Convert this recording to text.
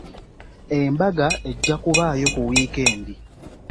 Embaga ejja kubaayo ku wiikendi.